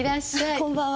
こんばんは。